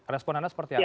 respon anda seperti apa